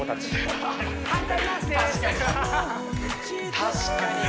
確かにね